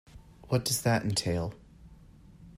What does that entail?